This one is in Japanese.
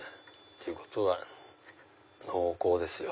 っていうことは濃厚ですよ。